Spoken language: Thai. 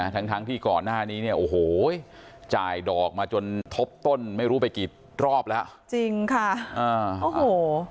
ทั้งทั้งที่ก่อนหน้านี้จ่ายดอกมาจนทบต้นไม่รู้ไปกี่รอบแล้ว